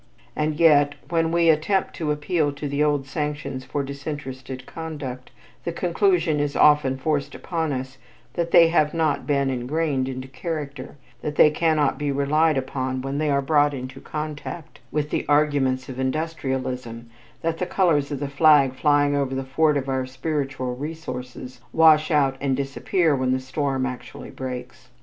And yet when we attempt to appeal to the old sanctions for disinterested conduct, the conclusion is often forced upon us that they have not been engrained into character, that they cannot be relied upon when they are brought into contact with the arguments of industrialism, that the colors of the flag flying over the fort of our spiritual resources wash out and disappear when the storm actually breaks.